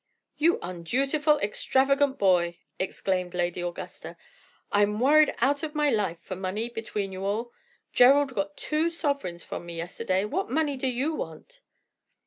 "You undutiful, extravagant boy!" exclaimed Lady Augusta. "I am worried out of my life for money, between you all. Gerald got two sovereigns from me yesterday. What money do you want?"